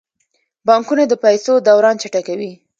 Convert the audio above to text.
بانکونه د پیسو دوران چټکوي.